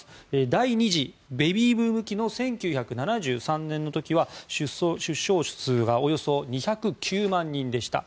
第２次ベビーブーム期の１９７３年の時は出生数がおよそ２０９万人でした。